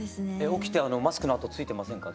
起きてマスクの痕ついてませんか？